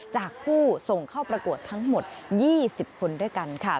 จากผู้ส่งเข้าประกวดทั้งหมด๒๐คนด้วยกันค่ะ